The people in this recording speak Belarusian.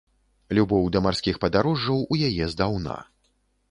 Любоў да марскіх падарожжаў у яе здаўна.